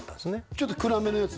ちょっと暗めのやつ？